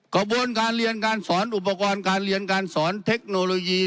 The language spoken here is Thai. กระบวนการเรียนการสอนอุปกรณ์การเรียนการสอนเทคโนโลยี